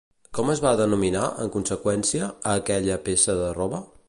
Com es va denominar, en conseqüència, a aquella peça de roba?